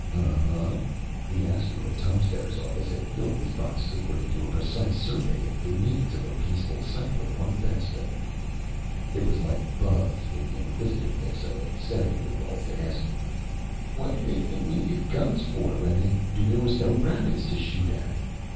Umhm m the Asteroids Homesteaders Office had filled these boxes according to a precise survey of the needs of a peaceful settler on Vesta. It was like Bubs, with the inquisitiveness of a seven year old, to ask: "What did they think we needed guns for, when they knew there was no rabbits to shoot at?"